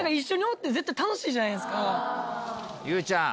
ゆうちゃん。